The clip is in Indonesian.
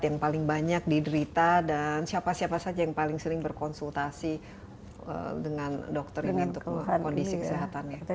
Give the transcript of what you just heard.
yang paling banyak diderita dan siapa siapa saja yang paling sering berkonsultasi dengan dokter ini untuk kondisi kesehatannya